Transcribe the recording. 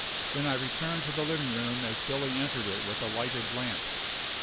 Then I returned to the living room as Billy entered it with a lighted lamp.